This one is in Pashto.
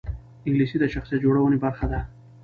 انګلیسي د شخصیت جوړونې برخه ده